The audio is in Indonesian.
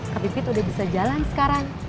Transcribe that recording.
kak pipit udah bisa jalan sekarang